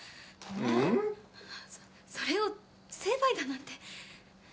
それを成敗だなんて。